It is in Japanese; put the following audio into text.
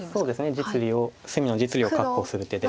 実利を隅の実利を確保する手で。